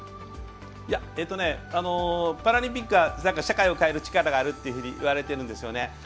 パラリンピックは社会を変える力があるっていうふうにいわれているんですよね。